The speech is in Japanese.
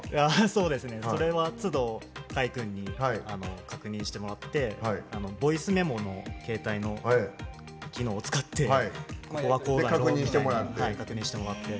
そうですねそれはつど海君に確認してもらってボイスメモの携帯の機能を使ってここはこうだぞみたいに確認してもらって。